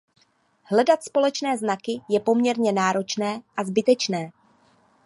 Hledat společné znaky je poměrně náročné a zbytečné.